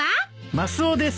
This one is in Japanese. マスオです。